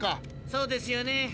そうですよね。